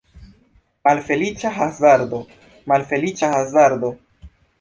Malfeliĉa hazardo, malfeliĉa hazardo!